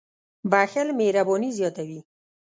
• بښل مهرباني زیاتوي.